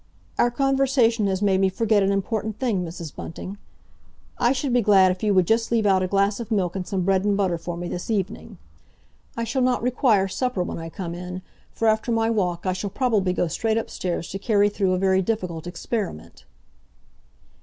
"Our conversation has made me forget an important thing, Mrs. Bunting. I should be glad if you would just leave out a glass of milk and some bread and butter for me this evening. I shall not require supper when I come in, for after my walk I shall probably go straight upstairs to carry through a very difficult experiment."